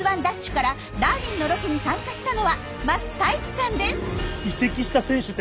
からダーウィンのロケに参加したのは桝太一さんです。